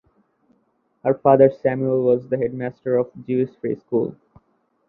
Her father Samuel was the headmaster of the Jewish Free School.